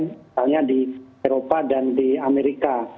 misalnya di eropa dan di amerika